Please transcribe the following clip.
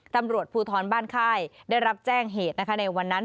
ตำรวจภูทรบ้านค่ายได้รับแจ้งเหตุนะคะในวันนั้น